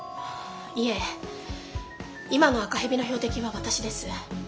いえ今の赤蛇の標的は私です。